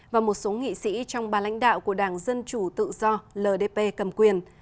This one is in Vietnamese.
và một số nghị sĩ trong ba lãnh đạo của đảng dân chủ tự do ldp cầm quyền